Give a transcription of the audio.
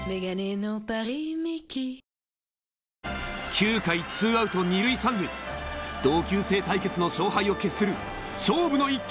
９回ツーアウト２塁３塁同級生対決の勝敗を決する勝負の１球！